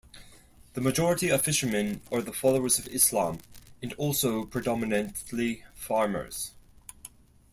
The majority of fishermen are the followers of Islam and also predominantly farmers.